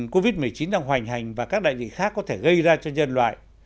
covid một mươi chín đang hoành hành và các đại dịch khác có thể gây ra cho nhân loại